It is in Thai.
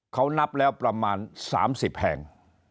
เขานับแล้วประมาณ๓๐แห่ง